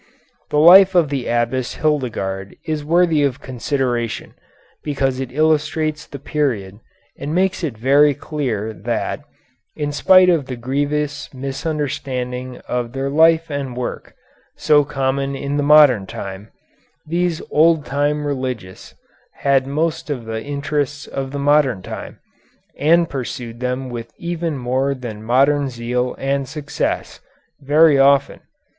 The life of the Abbess Hildegarde is worthy of consideration, because it illustrates the period and makes it very clear that, in spite of the grievous misunderstanding of their life and work, so common in the modern time, these old time religious had most of the interests of the modern time, and pursued them with even more than modern zeal and success, very often.